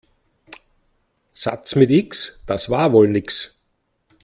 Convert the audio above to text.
Satz mit X, das war wohl nix.